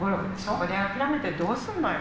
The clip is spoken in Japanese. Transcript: そこで諦めてどうすんのよ！